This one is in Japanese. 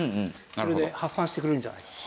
それで発散してくれるんじゃないかと。